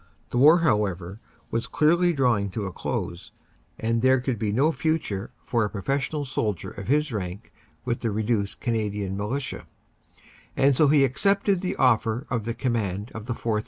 The war, however, was clearly drawing to a close, and there could be no future for a professional soldier of his rank with the reduced Canadian Militia, and so he accepted the offer of the command of the 4th.